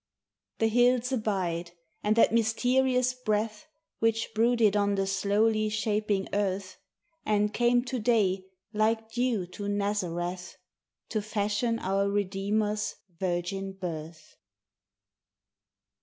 The hills abide, and that mysterious Breath Which brooded on the slowly shaping earth, And came to day like dew to Nazareth To fashion our Redeemer's Virgin birth.